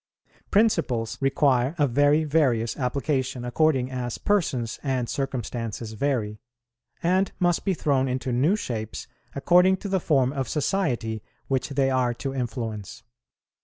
Principles require a very various application according as persons and circumstances vary, and must be thrown into new shapes according to the form of society which they are to influence.